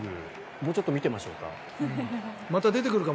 もうちょっと見ていましょうか。